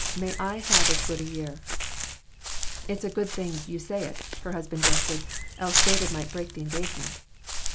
May I have as good a year." "It's a good thing you say it," her husband jested. "Else David might break the engagement."